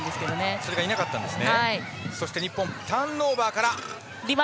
それがいなかったんですね。